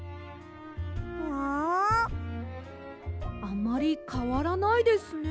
あまりかわらないですね。